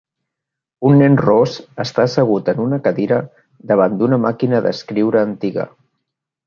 Un nen ros està assegut en una cadira davant d'una màquina d'escriure antiga.